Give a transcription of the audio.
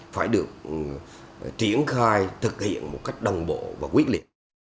phải được triển khai thực hiện một cách đồng bộ và quyết liệt